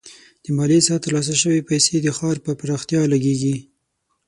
د مالیې څخه ترلاسه شوي پیسې د ښار پر پراختیا لګیږي.